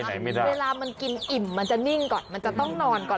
ไม่ได้เวลามันกินอิ่มมันจะนิ่งก่อนมันจะต้องนอนก่อน